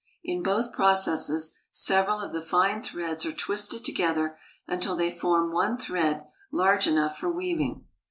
In both processes several of the fine threads are twisted to gether until they form one thread large enough for weaving.